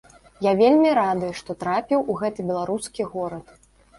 Я вельмі рады, што трапіў у гэты беларускі горад.